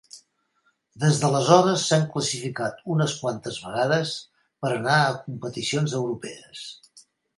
Des d'aleshores s'han classificat unes quantes vegades per anar a competicions europees.